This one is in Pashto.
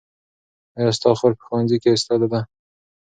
ایا ستا خور په ښوونځي کې استاده ده؟